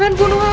jangan bunuh aku